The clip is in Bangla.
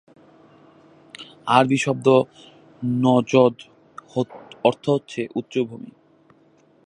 আরবী শব্দ নজদ অর্থ হচ্ছে উচ্চ ভূমি।